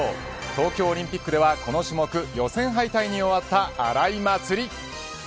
東京オリンピックではこの種目予選敗退に終わった荒井祭里。